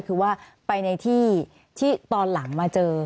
คือว่าไปในที่ที่ตอนหลังมาเจอ